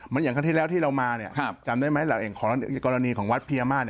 อย่างที่แล้วที่เรามาจำได้ไหมหลายกรณีของวัดเฟยมา